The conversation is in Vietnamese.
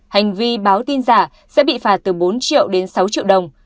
hành vi báo tin giả sẽ bị phạt từ bốn triệu đến sáu triệu đồng